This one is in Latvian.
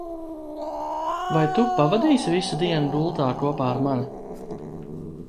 Vai tu pavadīsi visu dienu gultā kopā ar mani?